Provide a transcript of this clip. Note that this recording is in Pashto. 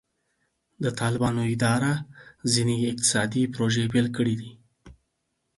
د طالبانو اداره ځینې اقتصادي پروژې پیل کړې دي.